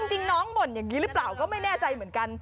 จริงน้องบ่นอย่างนี้หรือเปล่าก็ไม่แน่ใจเหมือนกัน